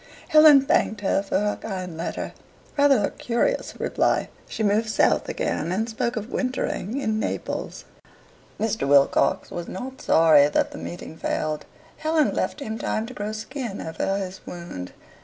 Helen thanked her for her kind letter rather a curious reply. She moved south again, and spoke of wintering in Naples. Mr. Wilcox was not sorry that the meeting failed. Helen left him time to grow skin over his wound.